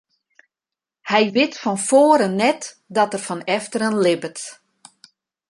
Hy wit fan foaren net dat er fan efteren libbet.